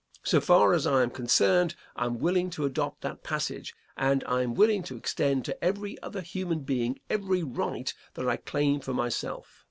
So far as I am concerned, I am willing to adopt that passage, and I am willing to extend to every other human being every right that I claim for myself.